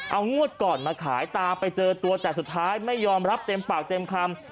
เอางวดก่อนมาขายตามไปเจอตัวแต่สุดท้ายไม่ยอมรับเต็มปากเต็มคำ